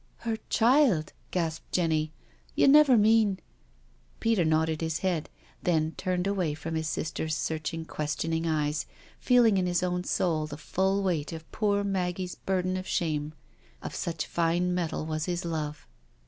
" Her child? " gasped Jenny. " You never mean ?" Peter nodded his head, then turned away from his sister's searching, questioning eyes, feeling in his own soul the full weight of poor Maggie's burden of shame, of such fine metal was his love.